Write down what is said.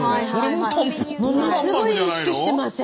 ものすごい意識してません？